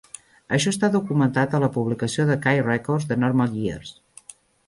Això està documentat a la publicació de K Records The Normal Years.